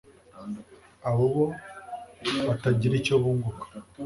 abo bo batagira icyo bunguka.”